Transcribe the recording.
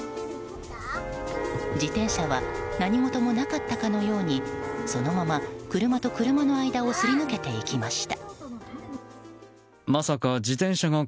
自転車は何事もなかったかのようにそのまま車と車の間をすり抜けていきました。